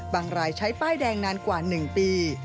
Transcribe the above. บางรายใช้ป้ายแดงนานกว่าหนึ่งปี